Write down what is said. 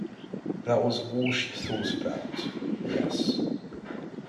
That was all she thought about, yes.